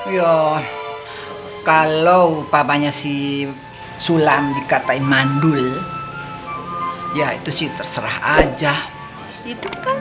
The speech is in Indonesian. ya kalau papanya si sulam dikatakan mandul ya itu sih terserah aja itu kan